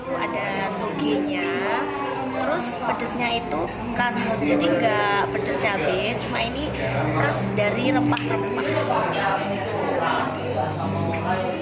terus ada tukinya terus pedasnya itu khas jadi nggak pedas cabai cuma ini khas dari rempah rempah